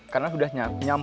karena sudah nyampe